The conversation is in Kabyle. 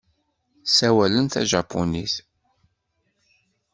Ssawalen tajapunit.